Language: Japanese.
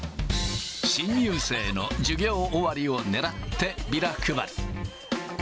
新入生の授業終わりをねらってビラ配り。